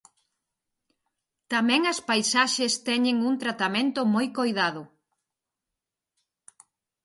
Tamén as paisaxes teñen un tratamento moi coidado.